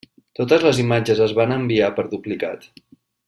Totes les imatges es van enviar per duplicat.